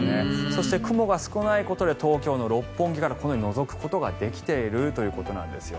そして雲が少ないことで東京の六本木からこのようにのぞくことができているということなんです。